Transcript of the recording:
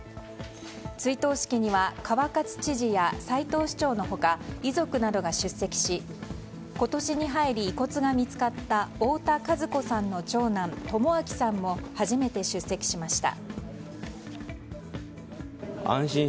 追悼式には川勝知事や齊藤市長の他遺族などが出席し今年に入り遺骨が見つかった太田和子さんの長男・朋晃さんも初めて出席しました。